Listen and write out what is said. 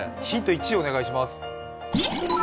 １お願いします。